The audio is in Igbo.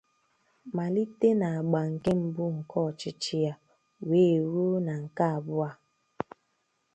malite n'àgbà nke mbụ nke ọchịchị ya wee ruo na nke abụọ a.